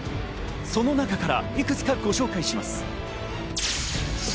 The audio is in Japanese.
その中からいくつかご紹介します。